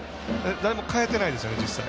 誰も代えてないですよね、実際。